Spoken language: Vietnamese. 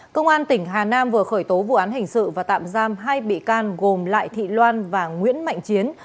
công an tỉnh hà nam vừa khởi tố vụ án hình sự và tạm giam hai bị can gồm lại thị loan và nguyễn mạnh chiến